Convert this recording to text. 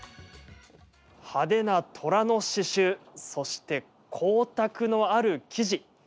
派手な虎の刺しゅうそして光沢のある生地。